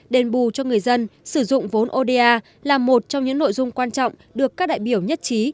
đền bù cho người dân sử dụng vốn oda là một trong những nội dung quan trọng được các đại biểu nhất trí